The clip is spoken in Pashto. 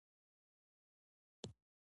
خراب خدمت د مشتری علاقه کموي.